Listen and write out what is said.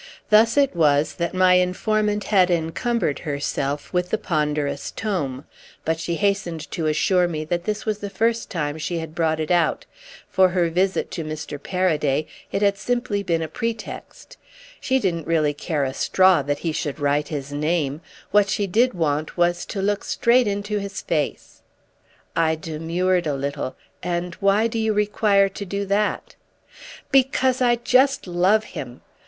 Thus it was that my informant had encumbered herself with the ponderous tome; but she hastened to assure me that this was the first time she had brought it out. For her visit to Mr. Paraday it had simply been a pretext. She didn't really care a straw that he should write his name; what she did want was to look straight into his face. I demurred a little. "And why do you require to do that?" "Because I just love him!"